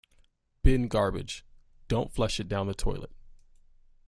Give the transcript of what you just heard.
Bin garbage, don't flush it down a toilet.